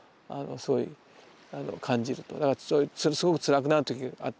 だからすごくつらくなるときがあった。